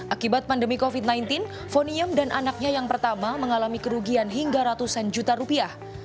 akibat pandemi covid sembilan belas fonium dan anaknya yang pertama mengalami kerugian hingga ratusan juta rupiah